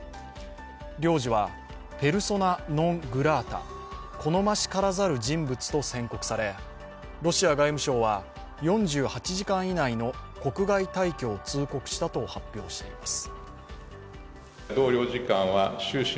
領事はペルソナ・ノン・グラータ＝好ましからざる人物と宣告され、ロシア外務省は４８時間以内の国外退去を通告したと発表しています。